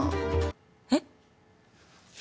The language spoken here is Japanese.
えっ？